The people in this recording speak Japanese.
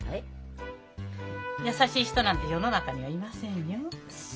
優しい人なんて世の中にはいませんよ。